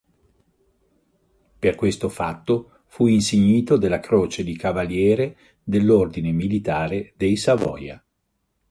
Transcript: Per questo fatto fu insignito della Croce di Cavaliere dell'Ordine militare dei Savoia.